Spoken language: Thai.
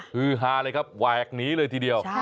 ฮือฮาเลยครับว่ายแอบนี้เลยทีเดียว